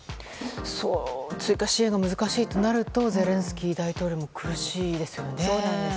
追加支援が難しいとなるとゼレンスキー大統領も苦しいですよね。